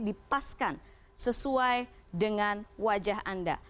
dipaskan sesuai dengan wajah anda